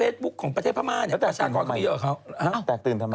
จริงดิแล้วแตกตื่นทำไมแตกตื่นทำไม